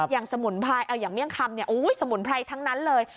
อย่างสมุนไพรอย่างเมี่ยงคำเนี่ยสมุนไพรทั้งนั้นเลย